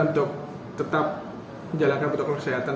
untuk tetap menjalankan protokol kesehatan